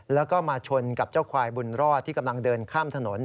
แล้วก็มาชนกับเจ้าควายบุญรอดที่กำลังเดินข้ามถนน